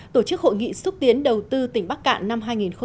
tổ chức hội nghị xúc tiến đầu tư tỉnh bắc cạn năm hai nghìn một mươi chín